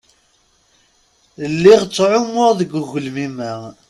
Lliɣa ttɛummuɣ deg ugelmim-a.